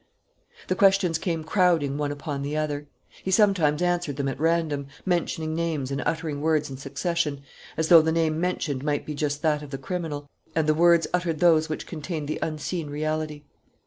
The questions came crowding one upon the other. He sometimes answered them at random, mentioning names and uttering words in succession, as though the name mentioned might be just that of the criminal, and the words uttered those which contained the unseen reality.